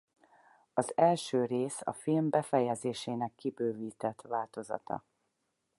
Az első rész a film befejezésének kibővített változata.